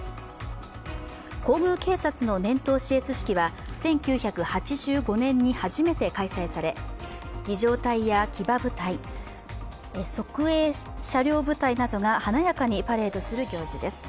皇宮警察の年頭視閲式は１９８５年に初めて開催され儀じょう隊や騎馬部隊、側衛車両部隊などが華やかにパレードする行事です。